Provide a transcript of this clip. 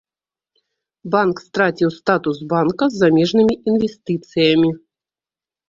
Банк страціў статус банка з замежнымі інвестыцыямі.